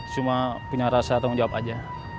cuma punya rasa tanggung jawab aja